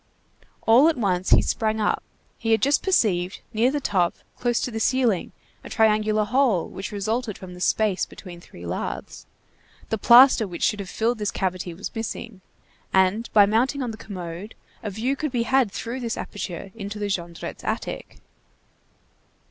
All at once he sprang up; he had just perceived, near the top, close to the ceiling, a triangular hole, which resulted from the space between three lathes. The plaster which should have filled this cavity was missing, and by mounting on the commode, a view could be had through this aperture into the Jondrettes' attic.